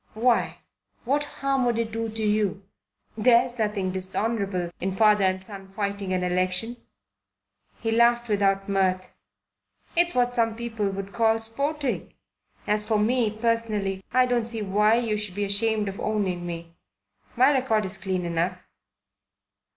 Why, what harm would it do you? There's nothing dishonourable in father and son fighting an election." He laughed without much mirth. "It's what some people would call sporting. As for me, personally, I don't see why you should be ashamed of owning me. My record is clean enough."